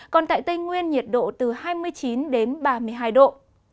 còn tại tây nguyên nhiệt độ từ hai mươi chín đến ba mươi hai độ